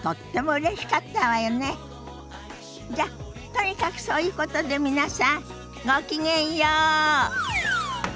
じゃとにかくそういうことで皆さんごきげんよう。